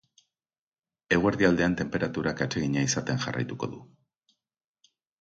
Eguerdi aldean tenperaturak atsegina izaten jarraituko du.